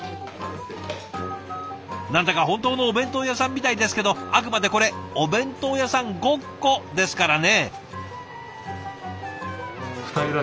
何だか本当のお弁当屋さんみたいですけどあくまでこれお弁当屋さん“ごっこ”ですからね。